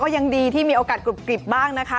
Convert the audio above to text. ยังดีที่มีโอกาสกรุบกริบบ้างนะคะ